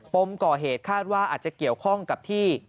มก่อเหตุคาดว่าอาจจะเกี่ยวข้องกับที่